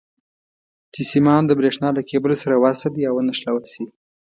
چې سیمان د برېښنا له کیبل سره وصل یا ونښلول شي.